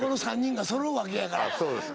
そうですか。